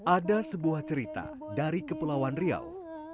ada sebuah cerita dari kepulauan riau